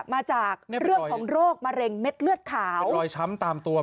มาจากเรื่องของโรคมะเร็งเม็ดเลือดขาวรอยช้ำตามตัว